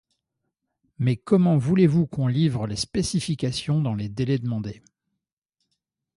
Mais comment voulez-vous qu'on vous livre les spécifications dans les délais demandés ?